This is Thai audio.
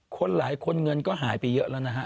คนหลายคนเงินก็หายไปเยอะแล้วนะฮะ